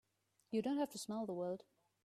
You don't have to smell the world!